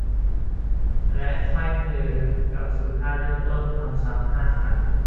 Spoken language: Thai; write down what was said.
และไขว้มือกลับสู่ท่าเริ่มต้น ทำซ้ำ ห้า ครั้ง